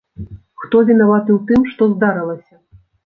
Хто вінаваты ў тым, што здарылася?